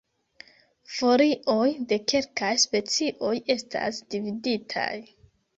Folioj de kelkaj specioj estas dividitaj.